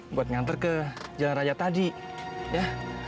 buat ngantar ke jalan raya tadi ya